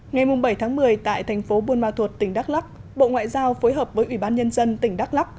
ngày bảy một mươi tại thành phố buôn ma thuột tỉnh đắk lắk bộ ngoại giao phối hợp với ủy ban nhân dân tỉnh đắk lắk